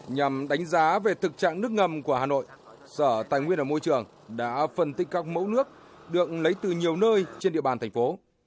nhằm đánh giá về thực trạng nước ngầm của hà nội sở tài nguyên và môi trường đã phân tích các mẫu nước được lấy từ nhiều nơi trên địa bàn thành phố